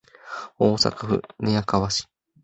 大阪府寝屋川市